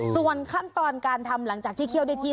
ส่วนขั้นตอนการทำหลังจากที่เคี่ยวได้ที่